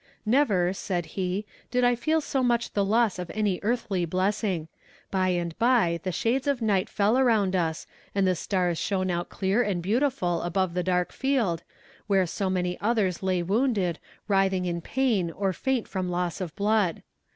"'Never,' said he, 'did I feel so much the loss of any earthly blessing. By and by the shades of night fell around us, and the stars shone out clear and beautiful above the dark field, where so many others lay wounded, writhing in pain or faint from loss of blood.